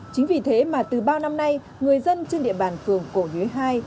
chính vì thế mà từ bao năm nay người dân trên địa bàn phường cổ nhuế hai